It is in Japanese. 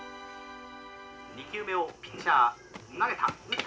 「２球目をピッチャー投げた。